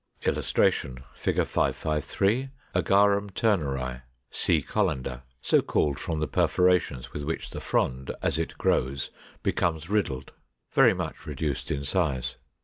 [Illustration: Fig. 553. Agarum Turneri, Sea Colander (so called from the perforations with which the frond, as it grows, becomes riddled); very much reduced in size.